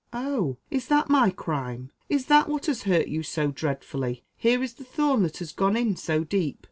"Oh! is that my crime? Is that, what has hurt you so dreadfully? Here is the thorn that has gone in so deep!